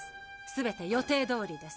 すべて予定どおりです。